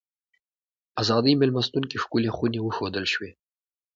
ازادۍ مېلمستون کې ښکلې خونې وښودل شوې.